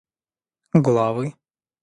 главы